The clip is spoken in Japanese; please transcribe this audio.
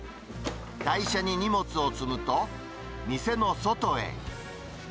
台車に荷物を積むと、店の外へ。